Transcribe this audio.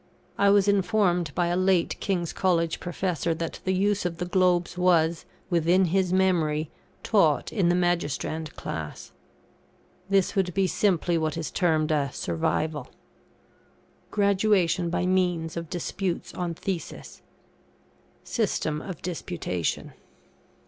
I was informed by a late King's College professor that the Use of the Globes was, within his memory, taught in the Magistrand Class. This would be simply what is termed a "survival". [GRADUATION BY MEANS OF DISPUTES ON THESIS.] SYSTEM OF DISPUTATION.